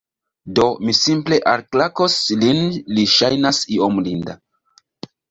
Do, mi simple alklakos lin li ŝajnas iom linda